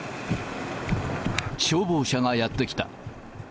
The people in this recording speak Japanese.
消防車がやって来た。